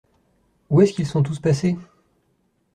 Où est-ce qu’ils sont tous passés?